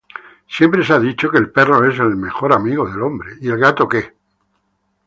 Siempre se ha dicho que le perro es el mejor amigo del hombre.